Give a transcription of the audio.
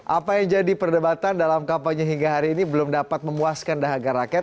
apa yang jadi perdebatan dalam kampanye hingga hari ini belum dapat memuaskan dahaga rakyat